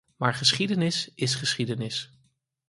Maar geschiedenis is geschiedenis.